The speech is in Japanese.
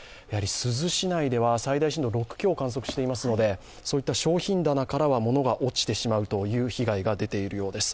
珠洲市内では最大震度６強を観測していますので、商品棚からは物が落ちてしまうという被害が出ているようです。